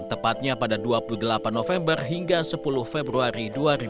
tepatnya pada dua puluh delapan november hingga sepuluh februari dua ribu dua puluh